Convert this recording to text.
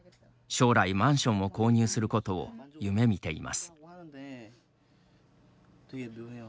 将来、マンションを購入することを夢見ています。